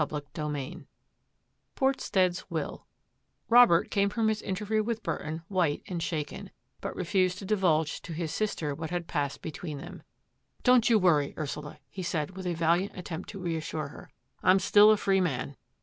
CHAPTER XIV PORTSTEAD'S WILL Robert came from his interview with Burton white and shaken, but refused to divulge to his sister what had passed between them. Don't you worry, Ursula," he said, with a valiant attempt to reassure her, I'm still a free man.''